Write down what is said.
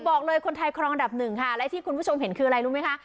บอกเลยคนไทยครองอันดับหนึ่งค่ะและที่คุณผู้ชมเห็นคืออะไรรู้ไหมคะ